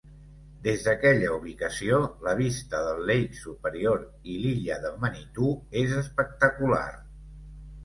Des d'aquella ubicació, la vista del Lake Superior i l'illa de Manitou és espectacular.